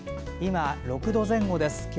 今、６度前後です。